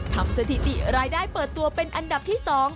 สถิติรายได้เปิดตัวเป็นอันดับที่๒